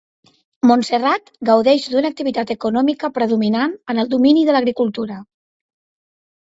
Montserrat gaudeix d'una activitat econòmica predominant en el domini de l'agricultura.